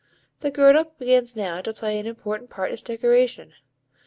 The girdle begins now to play an important part as decoration.